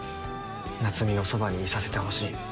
夏海のそばにいさせてほしい。